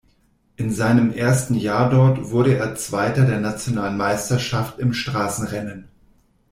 In seinem ersten Jahr dort wurde er Zweiter der nationalen Meisterschaft im Straßenrennen.